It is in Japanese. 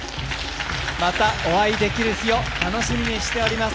またお会いできる日を楽しみにしております。